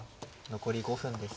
残り５分です。